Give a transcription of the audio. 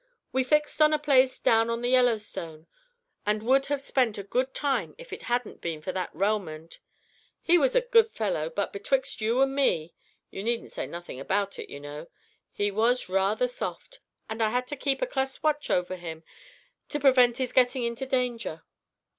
We fixed on a place down on the Yellowstone, and would have spent a good time if it hadn't been for that Relmond. He was a good fellow, but betwixt you and me (you needn't say nothing about it, you know), he was rather soft, and I had to keep a clus watch over him to prevent his getting into danger.